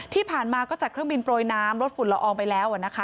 ที่ผ่านมาก็จัดเครื่องบินโปรยน้ำลดฝุ่นละอองไปแล้วนะคะ